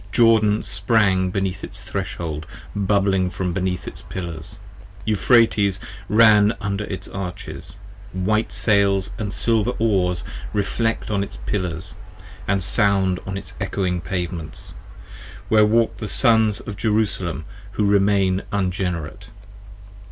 Jordan sprang beneath its threshold bubbling from beneath Its pillars: Euphrates ran under its arches: white sails 25 And silver oars reflect on its pillars, & sound on its ecchoing Pavements: where walk the Sons of Jerusalem who remain Ungenerate.